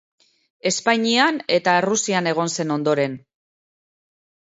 Espainian eta Errusian egon zen ondoren.